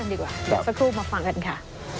เดี๋ยวสักครู่มาฟังกันค่ะ